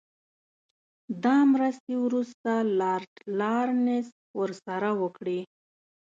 دا مرستې وروسته لارډ لارنس ورسره وکړې.